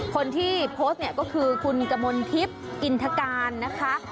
คนที่โพสต์เนี่ยก็คือคุณกมลทิพย์อินทการนะคะ